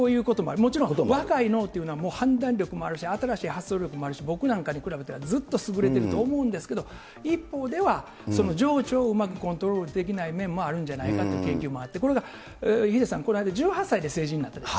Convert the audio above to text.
もちろん、若い脳というのは、判断力もあるし、新しい発想力もあるし、僕なんかに比べたらずっと優れてると思うんですけど、一方では、その情緒をうまくコントロールできない面もあるんじゃないかという研究もあって、これがヒデさん、この間、１８歳で成人になったでしょ。